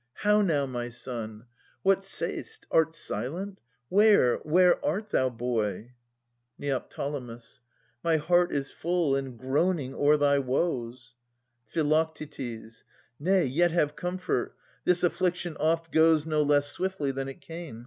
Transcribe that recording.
How now, my son? What say'st? Art silent? Where— where art thou, boy? Ned. My heart is full, and groaning o'er thy woes. Phi. Nay, yet have comfort. This affliction oft Goes no less swiftly than it came.